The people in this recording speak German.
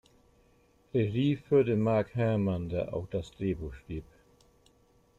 Regie führte Mark Herman, der auch das Drehbuch schrieb.